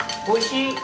おいしい？